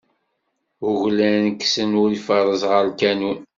Uglan kksen, ur ifeṛṛez ɣer lkanun.